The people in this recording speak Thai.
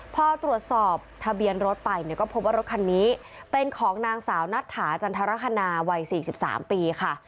พอตรวจสอบทะเบียนรถไปเนี่ยก็พบว่ารถคันนี้เป็นของนางสาวนัทถาจันทรคณาวัย๔๓ปีค่ะ